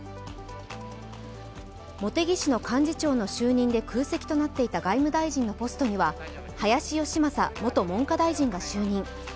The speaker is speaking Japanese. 茂木氏の幹事長の就任で空席になっていた外務大臣のポストには林芳正元文科大臣が就任。